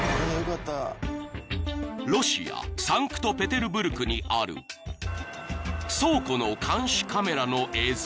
［ロシアサンクトペテルブルクにある倉庫の監視カメラの映像］